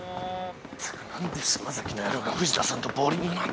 ったく何で島崎の野郎が藤田さんとボウリングなんて。